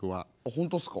本当っすか？